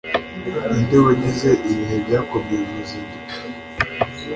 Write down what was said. Ninde wagize Ibihe Byakomeye Muruzinduko?